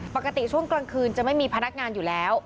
ปกติช่วงกลางคืนจะไม่มีพนักงานอยู่แล้ว